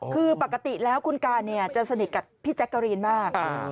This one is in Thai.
คือปกติแล้วคุณการเนี่ยจะสนิทกับพี่แจ๊กกาลีนะฮะ